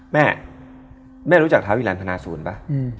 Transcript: แม่แม่รู้จักท้าวิรันพนาศูนย์ป่ะ